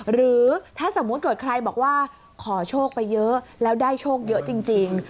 หรือถ้าสมมุติเกิดใครบอกว่าขอโชคไปเยอะแล้วได้โชคเยอะจริง